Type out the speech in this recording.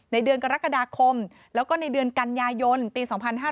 เดือนกรกฎาคมแล้วก็ในเดือนกันยายนปี๒๕๕๙